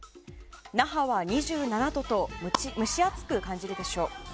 那覇は２７度と蒸し暑く感じるでしょう。